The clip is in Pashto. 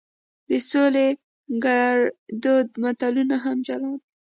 د سویلي ګړدود متلونه هم جلا دي